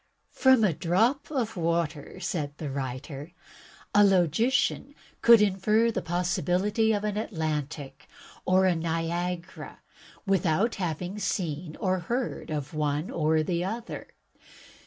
"From a drop of water," said the writer, "a logician could infer the possibility of an Atlantic or a Niagara without having seen or heard of one or the other.